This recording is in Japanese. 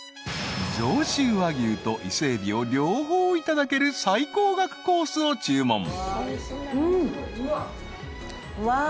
［上州和牛と伊勢エビを両方いただける最高額コースを注文］